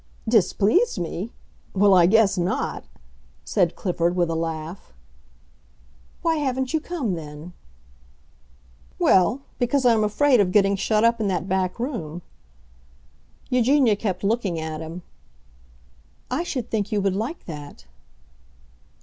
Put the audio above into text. "Displeased me? Well, I guess not!" said Clifford, with a laugh. "Why haven't you come, then?" "Well, because I am afraid of getting shut up in that back room." Eugenia kept looking at him. "I should think you would like that."